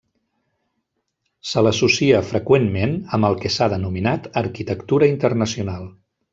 Se l'associa freqüentment amb el que s'ha denominat arquitectura internacional.